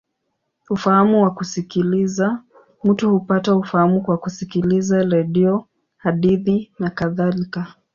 Ufahamu wa kusikiliza: mtu hupata ufahamu kwa kusikiliza redio, hadithi, nakadhalika.